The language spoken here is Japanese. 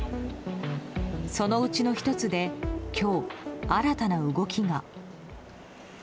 そのうちの１つで今日、新たな動きが。